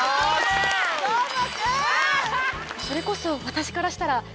それこそ私からしたら。